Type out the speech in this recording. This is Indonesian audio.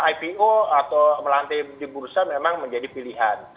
ipo atau melantai di bursa memang menjadi pilihan